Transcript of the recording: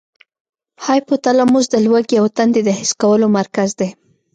هایپو تلاموس د لوږې او تندې د حس کولو مرکز دی.